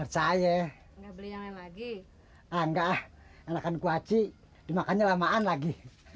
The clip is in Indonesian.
saya lagi enggak makan kuaci dimakannya lamaan lagi